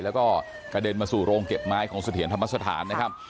แล้วก็กระเด็นมาสู่โรงเก็บไม้ของเสถียรธรรมสถานนะครับ